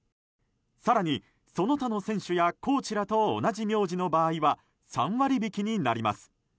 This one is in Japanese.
更に、その他の選手やコーチらと同じ名字の場合は３割引きになります。